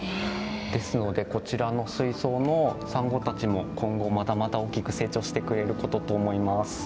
ですのでこちらの水槽のサンゴたちも今後まだまだ大きく成長してくれることと思います。